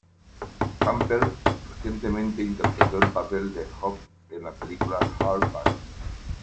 Campbell recientemente interpretó el papel de Hog en la película "Hall Pass".